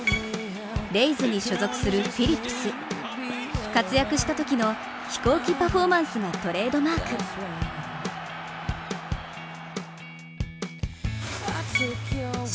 レイズに所属するブレット・フィリップス活躍したときの飛行機パフォーマンスがトレードマークです。